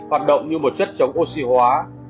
hoạt động như một chất chống oxy hóa